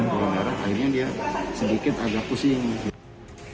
keluar darah akhirnya dia sedikit agak pusing